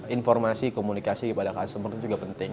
informasi komunikasi kepada customer itu juga penting